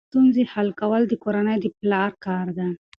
ستونزې حل کول د کورنۍ د پلار کار دی.